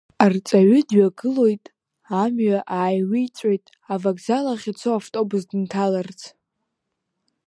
Арҵаҩы дҩагылоит, амҩа ааиҩиҵәоит, авокзал ахь ицо автобус дынҭаларц.